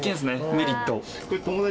メリット。